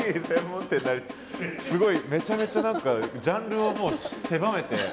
すごいめちゃめちゃ何かジャンルを狭めて。